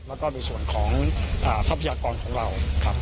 แล้วก็ในส่วนของทรัพยากรของเราครับ